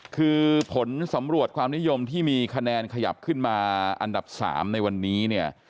คือผลสำรวจความนิยมที่มีคะแนนขยับขึ้นมาอันดับ๓ในวันนี้เนี่ย